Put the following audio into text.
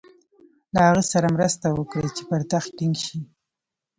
له هغه سره مرسته وکړي چې پر تخت ټینګ شي.